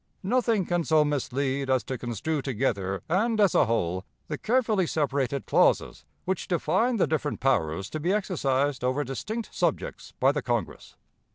Nothing can so mislead as to construe together, and as a whole, the carefully separated clauses which define the different powers to be exercised over distinct subjects by the Congress.